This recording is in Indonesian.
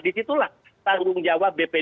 di situlah tanggung jawab bp dua mi